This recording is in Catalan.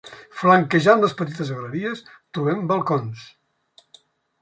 Flanquejant les petites galeries, trobem balcons.